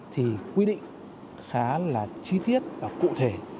thì quy định khá là chi tiết và cụ thể